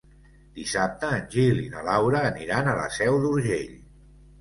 Dissabte en Gil i na Laura aniran a la Seu d'Urgell.